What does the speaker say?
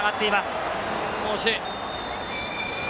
惜しい。